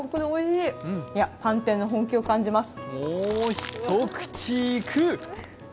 いや、パン店の本気を感じます！